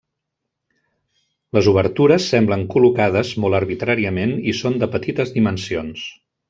Les obertures semblen col·locades molt arbitràriament i són de petites dimensions.